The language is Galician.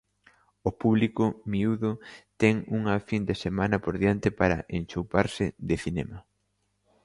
O público miúdo ten unha fin de semana por diante para enchouparse de cinema.